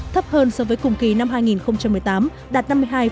thấp hơn so với cùng kỳ năm hai nghìn một mươi tám đạt năm mươi hai bốn mươi sáu